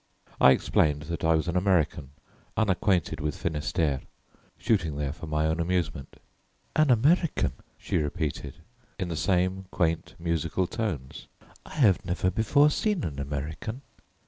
I explained that I was an American, unacquainted with Finistère, shooting there for my own amusement. "An American," she repeated in the same quaint musical tones. "I have never before seen an American."